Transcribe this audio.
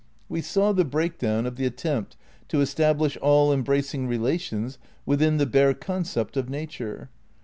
We saw the breakdown of the attempt to establish all embracing relations within the bare concept of nature.